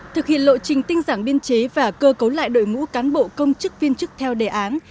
thực hiện lộ trình tinh giản biên chế và cơ cấu lại đội ngũ cán bộ công chức viên chức theo đề án